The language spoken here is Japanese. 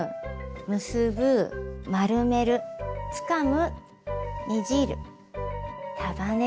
「結ぶ」「丸める」「つかむ」「ねじる」「束ねる」